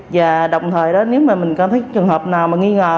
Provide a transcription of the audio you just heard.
và đồng thời nếu mà mình có thấy trường hợp nào mà nghi ngờ